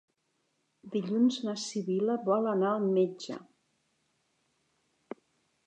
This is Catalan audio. Dilluns na Sibil·la vol anar al metge.